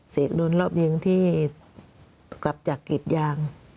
เสร็จโดนรอบยิงที่กลับจากกรีดยาง